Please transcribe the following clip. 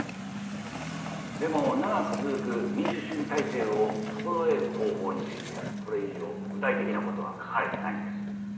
でも長く続く民主主義体制を整える方法についてこれ以上具体的なことは書かれてないんです。